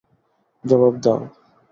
জবাব দাও।